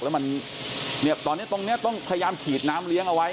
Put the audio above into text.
แล้วมันเนี่ยตอนนี้ตรงนี้ต้องพยายามฉีดน้ำเลี้ยงเอาไว้